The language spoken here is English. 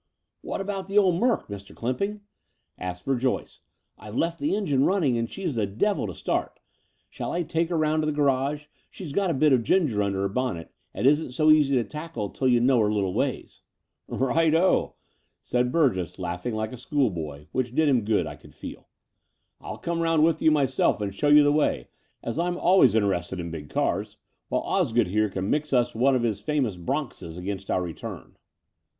"What about the old Merc, Mr. Clymping?*' asked Verjoyce. "I've left the engine running as she's the devil to start. Shall I take her round to the garage, as she's got a bit of ginger tmder her bonnet and isn't so easy to tackle till you know her little wa}^?" "Right oh," said Bvirgess, laughing like a school boy, which did him good, I could fed. "I'll come round with you myself and show you the way, as I'm always interested in big cars, while Osgood here can mix us one of his famous bronxes against our retvim."